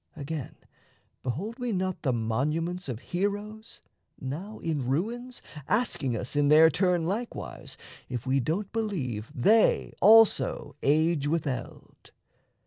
Again, behold we not the monuments Of heroes, now in ruins, asking us, In their turn likewise, if we don't believe They also age with eld?